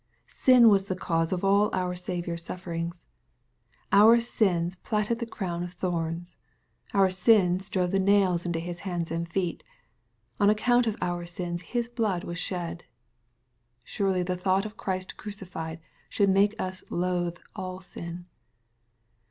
Sin was the cause of all our Saviour's suffering. Our sins platted MATTHEW, CHAP. XXVII. 893 tlie crown of thorDS. Our sins drove the nails into His hands and feet. On account of our sins His blood was Blied. Surely the thought of Christ crucified should make us loathe all sin.